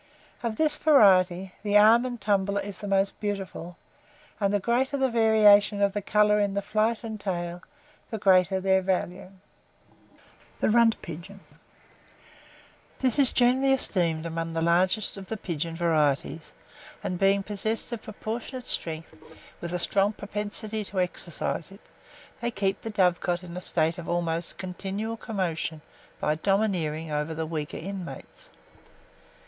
Of this variety, the Almond Tumbler is the most beautiful; and the greater the variation of the colour in the flight and tail, the greater their value. [Illustration: RUNT PIGEONS.] THE RUNT PIGEON. This is generally esteemed among the largest of the pigeon varieties, and being possessed of proportionate strength, with a strong propensity to exercise it, they keep the dovecot in a state of almost continual commotion by domineering over the weaker inmates.